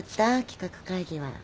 企画会議は。